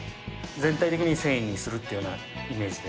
全体的に繊維にするっていうようなイメージで。